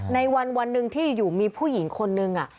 ในวันหนึ่งที่อยู่มีผู้หญิงคนนึง